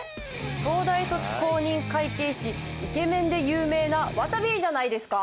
東大卒公認会計士イケメンで有名なわたびじゃないですか？